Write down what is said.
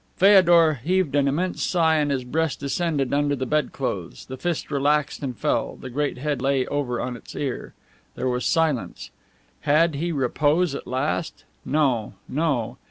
Feodor heaved an immense sigh and his breast descended under the bed clothes, the fist relaxed and fell, the great head lay over on its ear. There was silence. Had he repose at last? No, no.